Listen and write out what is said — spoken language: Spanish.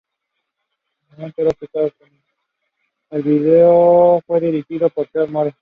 El video fue dirigido por Geoff Moore.